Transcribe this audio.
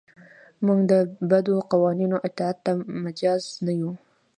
موږ د بدو قوانینو اطاعت ته مجاز نه یو.